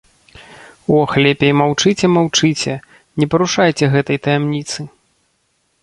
Ох, лепей маўчыце-маўчыце, не парушайце гэтай таямніцы.